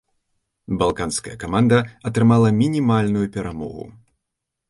Балканская каманда атрымала мінімальную перамогу.